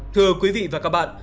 thưa quý vị và các bạn